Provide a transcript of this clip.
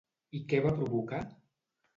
I què va provocar?